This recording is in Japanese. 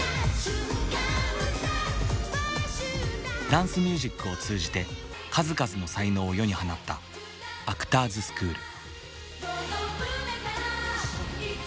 ダンスミュージックを通じて数々の才能を世に放ったアクターズスクール。